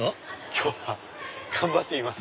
今日は頑張ってみます。